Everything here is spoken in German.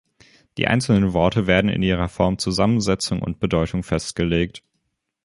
Die einzelnen Worte werden in ihrer Form, Zusammensetzung und Bedeutung festgelegt.